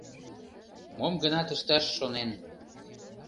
Мом-гынат ышташ шонен